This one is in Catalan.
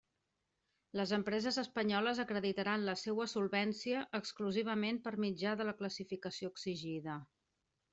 Les empreses espanyoles acreditaran la seua solvència, exclusivament, per mitjà de la classificació exigida.